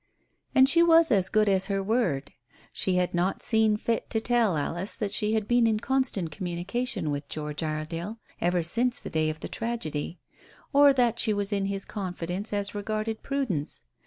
And she was as good as her word. She had not seen fit to tell Alice that she had been in constant communication with George Iredale ever since the day of the tragedy, or that she was in his confidence as regarded Prudence.